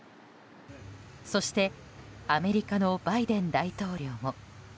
そしてアメリカのバイデン大統領も。